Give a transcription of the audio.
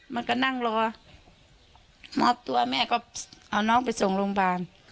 มันก็นั่งรอมอบตัวแม่ก็เอาน้องไปส่งโรงพยาบาล